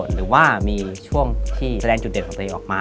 หรือว่ามีช่วงที่แสดงจุดเด่นของตัวเองออกมา